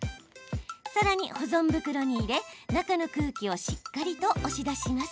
さらに保存袋に入れ中の空気をしっかりと押し出します。